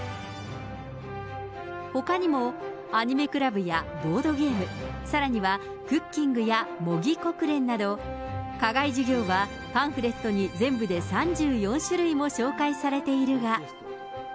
ほかにも、アニメクラブやボードゲーム、さらにはクッキングや模擬国連など、課外授業はパンフレットに全部で３４種類も紹介されているが。